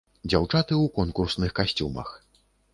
Дзяўчаты ў конкурсных касцюмах.